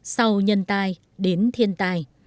sau nhân tai đến thiên tai